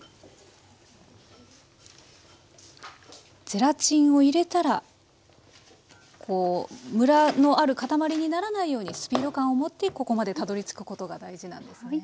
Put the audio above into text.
ゼラチンを入れたらムラのある固まりにならないようにスピード感をもってここまでたどりつくことが大事なんですね。